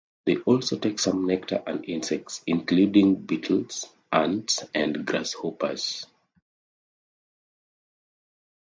They also take some nectar and insects, including beetles, ants and grasshoppers.